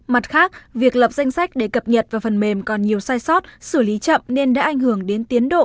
mặt khác việc lập danh sách để cập nhật vào phần mềm còn nhiều sai sót xử lý chậm nên đã ảnh hưởng đến tiến độ